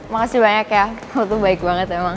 makasih banyak ya lo tuh baik banget emang